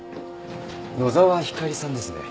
野澤ひかりさんですね？